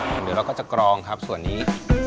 เดี๋ยวเราก็จะกรองครับส่วนนี้